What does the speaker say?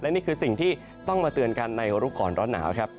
นี่คือสิ่งที่ต้องมาเตือนกันในรู้ก่อนร้อนหนาวครับ